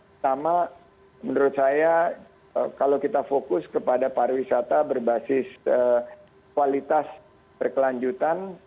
pertama menurut saya kalau kita fokus kepada pariwisata berbasis kualitas berkelanjutan